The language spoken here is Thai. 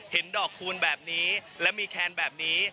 เห็นดอกคูณแบบนี้และมีแคนแบบนี้